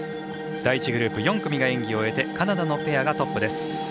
第１グループ４組が演技を終えてカナダのペアがトップです。